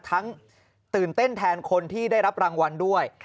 ตื่นเต้นแทนคนที่ได้รับรางวัลด้วย